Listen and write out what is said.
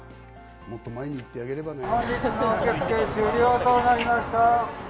もっと前に行ってあげればね。